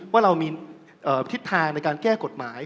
ว่าเรามีทิศทางในการแก้กฎหมาย